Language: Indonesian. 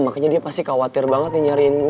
makanya dia pasti khawatir banget nih nyariin gue